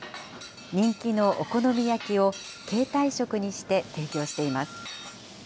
人気のお好み焼きを形態食にして提供しています。